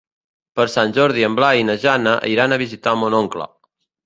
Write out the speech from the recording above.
Per Sant Jordi en Blai i na Jana iran a visitar mon oncle.